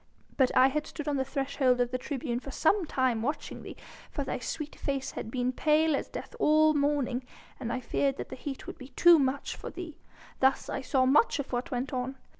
But I had stood on the threshold of the tribune for some time watching thee, for thy sweet face had been pale as death all the morning, and I feared that the heat would be too much for thee. Thus I saw much of what went on.